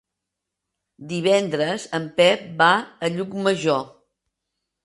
Divendres en Pep va a Llucmajor.